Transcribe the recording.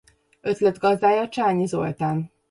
Ötletgazdája Csányi Zoltán.